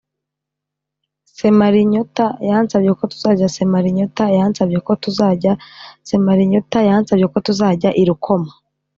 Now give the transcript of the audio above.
Semarinyota yansabye ko tuzajya semarinyota yansabye ko tuzajya semarinyota yansabye ko tuzajyana i rukoma